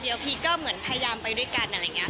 เดี๋ยวพีคก็เหมือนพยายามไปด้วยกันอะไรอย่างนี้